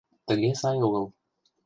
Тыге сай огыл.